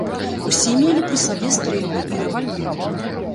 Усе мелі пры сабе стрэльбы і рэвальверы.